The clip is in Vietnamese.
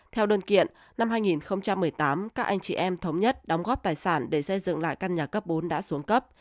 theo đơn kiện năm hai nghìn một mươi tám các anh chị em thống nhất đóng góp tài sản để xây dựng lại căn nhà cấp bốn đã xuống cấp